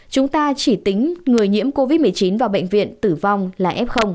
chúng ta chỉ tính người nhiễm covid một mươi chín vào bệnh viện tử vong là f